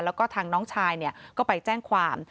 แล้วก็ทางน้องชายก็ไปแจ้งความ